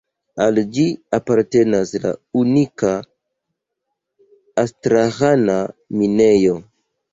Al ĝi apartenas la unika Astraĥana minejo.